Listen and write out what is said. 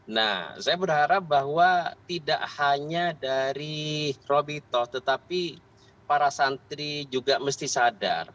nah saya berharap bahwa tidak hanya dari robi toh tetapi para santri juga mesti sadar